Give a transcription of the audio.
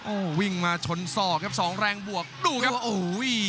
โอ้โหวิ่งมาชนศอกครับสองแรงบวกดูครับโอ้โห